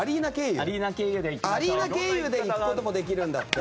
アリーナ経由で行くこともできるんだって。